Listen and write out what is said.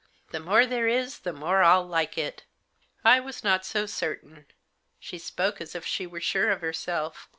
The more there is the more I'll like it" I was not so certain. She spoke as if she were sure of herself.